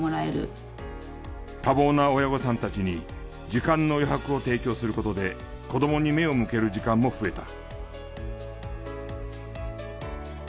多忙な親御さんたちに時間の余白を提供する事で子どもに目を向ける時間も増えた。